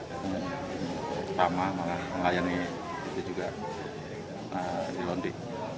pertama malah pengayang ini juga dilondi